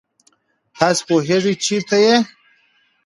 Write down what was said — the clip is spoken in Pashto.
تاسو پوهېږئ چېرته یئ؟